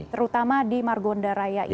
terutama di margonda raya ini